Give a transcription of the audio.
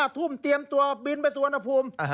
ทุ่มเตรียมตัวบินไปสุวรรณภูมิ